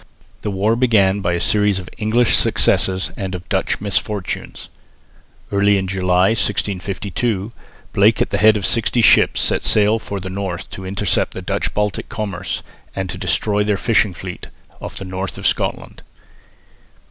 The war began by a series of English successes and of Dutch misfortunes. Early in July, 1652, Blake at the head of sixty ships set sail for the north to intercept the Dutch Baltic commerce, and to destroy their fishing fleet off the north of Scotland.